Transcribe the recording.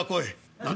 「何だ？